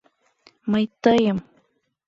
— Мый тыйым!..